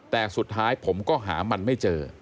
แต่สุดท้ายผมก็หามันไม่เจอ